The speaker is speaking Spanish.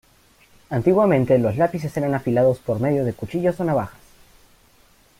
Antiguamente los lápices eran afilados por medio de cuchillos o navajas.